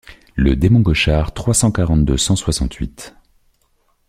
Le démon Gauchard trois cent quarante deux cent soixante-huit.